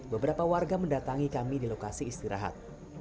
beberapa warga mendatangi kami di lokasi istirahat